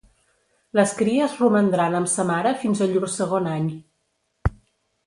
Les cries romandran amb sa mare fins a llur segon any.